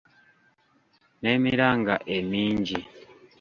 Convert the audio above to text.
N’emiranga emingi.